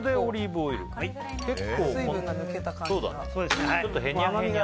結構、水分が抜けた感じが。